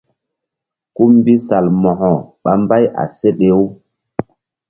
Kú mbi Salmo̧ko ɓa mbay a seɗe-u.